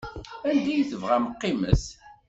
Anda i tebɣam qqimet.